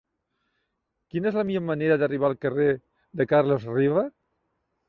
Quina és la millor manera d'arribar al carrer de Carles Riba?